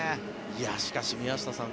しかし、宮下さん